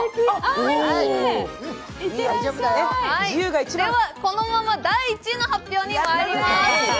ではこのまま第１位の発表にまいります。